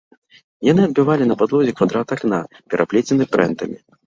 Яны адбівалі на падлозе квадрат акна, пераплецены прэнтамі.